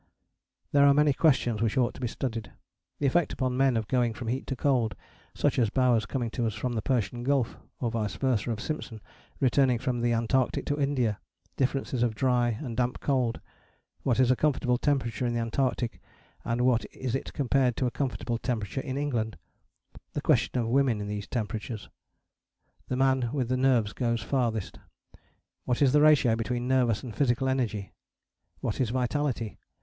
There are many questions which ought to be studied. The effect upon men of going from heat to cold, such as Bowers coming to us from the Persian Gulf: or vice versa of Simpson returning from the Antarctic to India; differences of dry and damp cold; what is a comfortable temperature in the Antarctic and what is it compared to a comfortable temperature in England, the question of women in these temperatures...? The man with the nerves goes farthest. What is the ratio between nervous and physical energy? What is vitality?